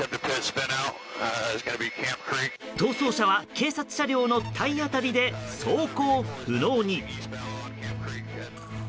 逃走車は警察車両の体当たりで走行不能に。